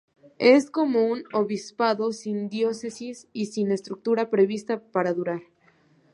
Es como un obispado sin diócesis y sin estructura prevista para durar.